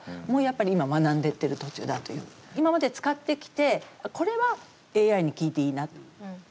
今まで使ってきてこれはＡＩに聞いていいな。